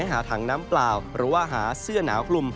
ก็หาถังน้ำเปล่าหาเสื้อหนาวคลุม